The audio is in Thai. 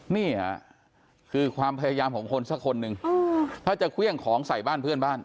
นี่ค่ะคือความพยายามของคนสักคนหนึ่งถ้าจะเครื่องของใส่บ้านเพื่อนบ้าน